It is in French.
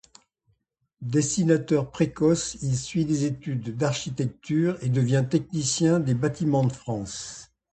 Dessinateur précoce, il suit des études d'architecture et devient technicien des bâtiments de France.